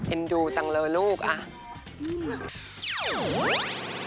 เอ็นดูจังเลยลุก